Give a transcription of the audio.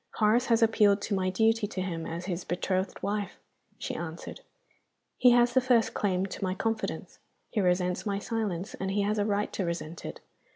"Horace has appealed to my duty to him as his betrothed wife," she answered. "He has the first claim to my confidence he resents my silence, and he has a right to resent it.